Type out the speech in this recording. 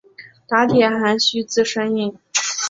打铁还需自身硬。